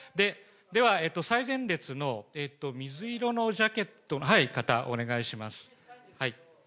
では、最前列の水色のジャケットの方、お願いします。